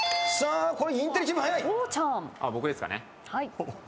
僕ですかね？